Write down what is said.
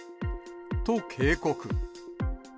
と警告。